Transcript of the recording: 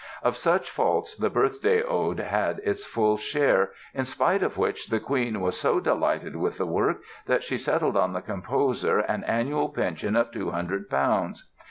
Of such faults the Birthday Ode has its full share, in spite of which the Queen was so delighted with the work that she settled on the composer an annual pension of 200 Pounds.